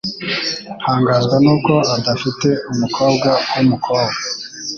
Ntangazwa nuko adafite umukobwa wumukobwa.